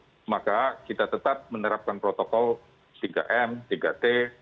oleh karena itu maka kita tetap menerapkan protokol tiga m tiga t